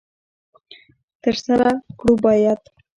تر سره کړو باید.